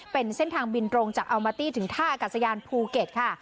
เป็นเส้นทางบินตรงจากอัลมาตี้ถึงท่าอากาศยานภูเก็ตค่ะ